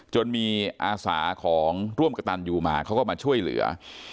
จนมีอาสาของร่วมกระตันยูมาเขาก็มาช่วยเหลือ